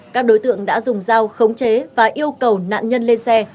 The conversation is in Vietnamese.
các đối tượng đã dùng dao khống chế và yêu cầu nạn nhân lên xe